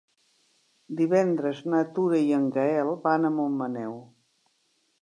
Divendres na Tura i en Gaël van a Montmaneu.